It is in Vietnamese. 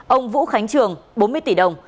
ông vũ khánh trường bốn mươi tỷ đồng